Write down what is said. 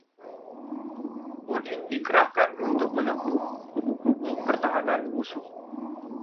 Udin dikerahkan untuk menempuh kubu-kubu pertahanan musuh